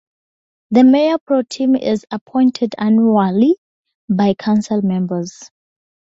The mayor pro tem is appointed annually by council members.